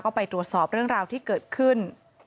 ก็ไปตรวจสอบเรื่องราวที่เกิดขึ้น